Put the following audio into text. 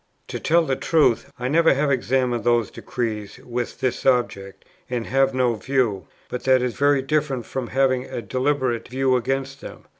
To tell the truth, I never have examined those decrees with this object, and have no view; but that is very different from having a deliberate view against them.